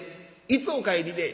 「いつお帰りで？」。